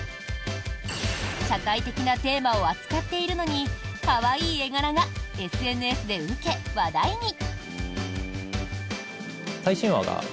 社会的なテーマを扱っているのに可愛い絵柄がＳＮＳで受け、話題に。